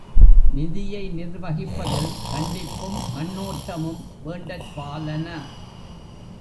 நிதியை நிர்வகிப்பதில் கண்டிப்பும், கண்ணோட்டமும் வேண்டற்பாலன.